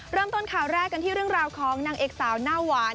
เริ่มต้นข่าวแรกกันที่เรื่องราวของนางเอกสาวหน้าหวาน